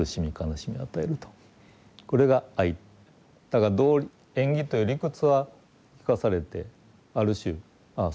だから縁起という理屈は聞かされてある種あ